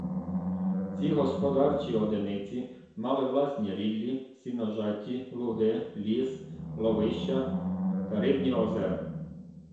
Ці господарчі одиниці мали власні ріллі, сіножаті, луги, ліс, ловища та рибні озера.